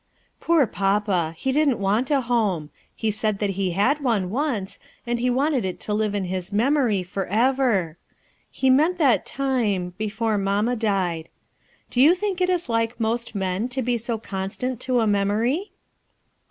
Poor papa! he didn't want a home; he said that he had one once, and he wanted it to live in his memory forever. lie meant that time — before mamma died. Do you think it is like most men to be so constant to a memory?"